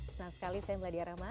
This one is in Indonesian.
senang sekali saya meladi arama